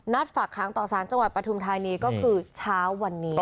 ฝากค้างต่อสารจังหวัดปฐุมธานีก็คือเช้าวันนี้